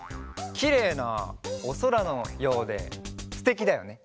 きれいなおそらのようですてきだよね。